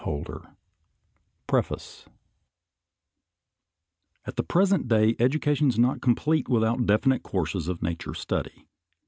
2 PREFACE At the present day education is not complete without definite courses of nature study.